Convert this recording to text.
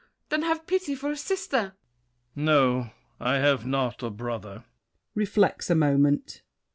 Then have pity for a sister! THE KING. No, I have not a brother! [Reflects a moment.